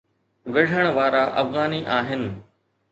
وڙهڻ وارا افغاني آهن.